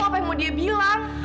apa yang mau dia bilang